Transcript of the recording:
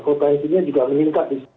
potensinya juga meningkat